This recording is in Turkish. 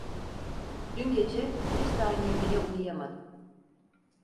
Dün gece bir saniye bile uyuyamadım.